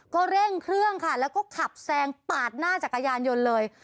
ก็เร่งเครื่องค่ะแล้วก็ขับแซงปาดหน้าจักรยานยนต์เลย